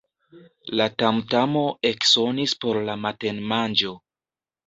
La tamtamo eksonis por la matenmanĝo.